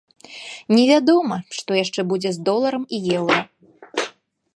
Невядома, што яшчэ будзе з доларам і еўра.